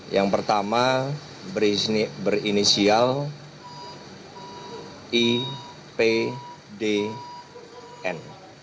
yang pertama berinisial ipdn